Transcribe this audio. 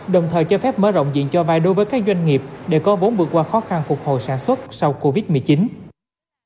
đồng thời cho phép mở rộng diện cho vai đối với các doanh nghiệp để có vốn vượt qua khó khăn phục hồi sản xuất sau covid một mươi chín